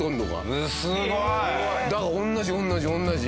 すごい！だから同じ同じ同じ。